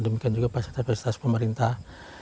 demikian juga fasilitas fasilitas pemerintah